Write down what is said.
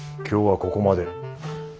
今日はここまで。